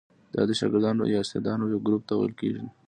دا د شاګردانو یا استادانو یو ګروپ ته ویل کیږي.